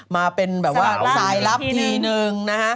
มาเป็นสายลับทีหนึ่ง